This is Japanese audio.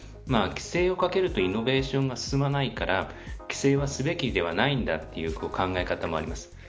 規制をかけるとイノベーションが進まないから規制はすべきではないという考え方もあります。